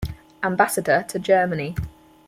Ambassador to Germany.